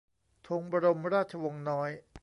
ธงบรมราชวงศ์น้อย